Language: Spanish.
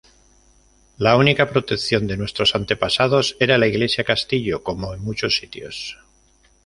La única protección de nuestros antepasados era la iglesia-castillo como en muchos sitios.